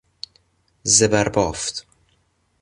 زبر بافت